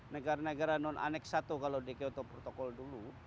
negara negara non aneks satu kalau di kyoto protocol dulu